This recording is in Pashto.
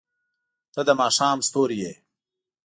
• ته د ماښام ستوری یې.